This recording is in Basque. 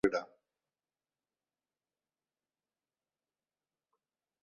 Halaber, herri bien arteko hegaldiak martxan izango dira gaurtik aurrera.